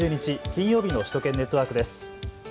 金曜日の首都圏ネットワークです。